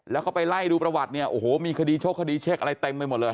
แล้วเขาไปไล่ดูประวัติเนี่ยโอ้โหมีคดีโชคคดีเช็คอะไรเต็มไปหมดเลย